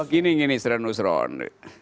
gini nih seran usran